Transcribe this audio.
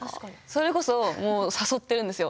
それこそ誘っているんですよ。